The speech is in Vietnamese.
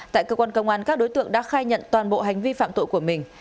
tại cơ quan công an các đối tượng đã khai nhận toàn bộ hành vi phạm tội của mình